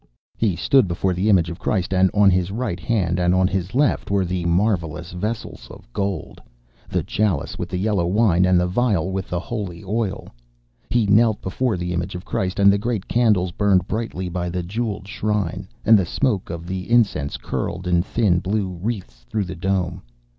He stood before the image of Christ, and on his right hand and on his left were the marvellous vessels of gold, the chalice with the yellow wine, and the vial with the holy oil. He knelt before the image of Christ, and the great candles burned brightly by the jewelled shrine, and the smoke of the incense curled in thin blue wreaths through the dome.